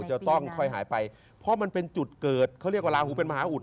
จะต้องค่อยหายไปเพราะมันเป็นจุดเกิดเขาเรียกว่าลาหูเป็นมหาอุด